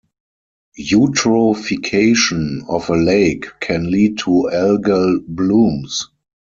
Eutrophication of a lake can lead to algal blooms.